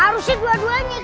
harusnya dua duanya kan